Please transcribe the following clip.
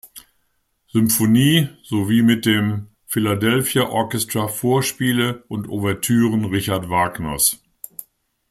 Symphonie sowie mit dem Philadelphia Orchestra Vorspiele und Ouvertüren Richard Wagners.